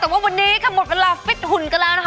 แต่ว่าวันนี้ค่ะหมดเวลาฟิตหุ่นกันแล้วนะคะ